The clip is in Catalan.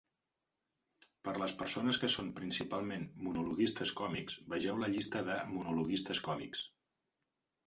Per a les persones que són principalment monologuistes còmics, vegeu la llista de monologuistes còmics.